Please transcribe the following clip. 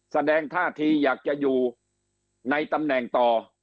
แสดงท่าทีอยากจะอยู่ในตำแหน่งต่อ